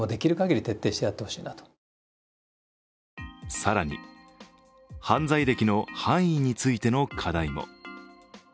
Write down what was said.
更に、犯罪歴の範囲についての課題も。